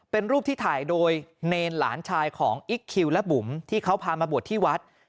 เป็นรูปที่ถ่ายโดยเนรหลานชายของอิ๊กคิวและบุ๋มที่เขาพามาบวชที่วัด